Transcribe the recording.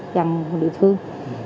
chăm địa phương